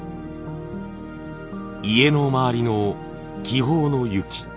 家の周りの気泡の雪。